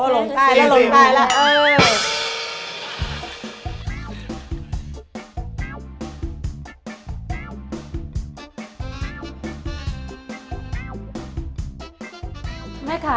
อ๋อลงไปแล้วเออ